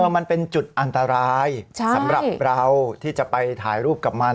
มันเป็นจุดอันตรายสำหรับเราที่จะไปถ่ายรูปกับมัน